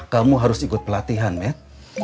kamu harus ikut pelatihan bet